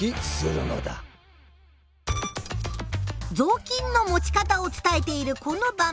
ぞうきんの持ち方を伝えているこの場面。